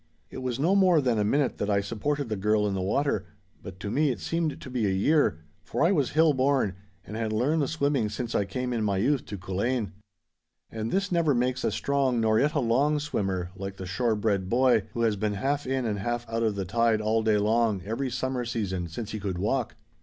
It was no more than a minute that I supported the girl in the water, but to me it seemed to be a year, for I was hill born, and had learned the swimming since I came in my youth to Culzean. And this never makes a strong nor yet a long swimmer like the shore bred boy, who has been half in and half out of the tide all day long every summer season since he could walk.